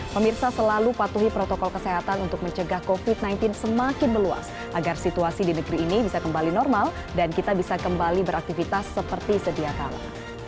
pemirsa selalu patuhi protokol kesehatan untuk mencegah covid sembilan belas semakin meluas agar situasi di negeri ini bisa kembali normal dan kita bisa kembali beraktivitas seperti sedia kala